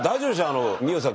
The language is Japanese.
あの美穂さん